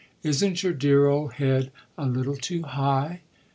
Isn't your dear old head a little too high?"